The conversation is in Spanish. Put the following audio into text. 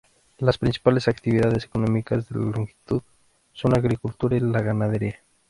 Las principales actividades económicas de la localidad son la agricultura y la ganadería.